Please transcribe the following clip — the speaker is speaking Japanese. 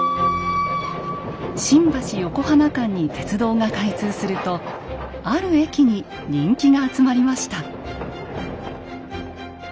新橋・横浜間に鉄道が開通するとある駅に人気が集まりました。